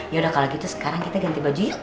yaudah kalau gitu sekarang kita ganti baju